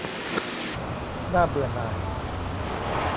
น่าเบื่อหน่าย